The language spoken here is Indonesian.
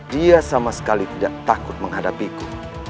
dia sama sekali tidak takut menghadapiku